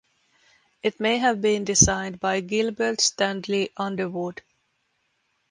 It may have been designed by Gilbert Stanley Underwood.